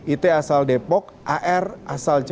it asal depok ar asal jakarta